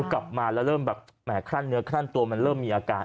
กูกลับมาแล้วเริ่มแบบขั้นเนื้อขั้นตัวมันเริ่มมีอาการ